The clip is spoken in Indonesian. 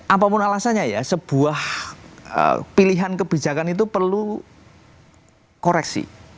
apapun alasannya ya sebuah pilihan kebijakan itu perlu koreksi